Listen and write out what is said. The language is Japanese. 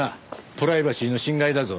プライバシーの侵害だぞ。